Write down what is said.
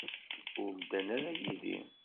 Ur ddan ara yid-i.